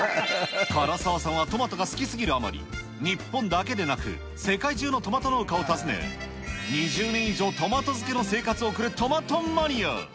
唐沢さんはトマトが好きすぎるあまり、日本だけでなく、世界中のトマト農家を訪ね、２０年以上、トマト漬けの生活を送るトマトマニア。